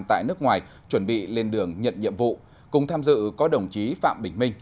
tại nước ngoài chuẩn bị lên đường nhận nhiệm vụ cùng tham dự có đồng chí phạm bình minh